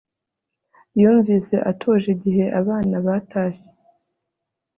yumvise atuje igihe abana batashye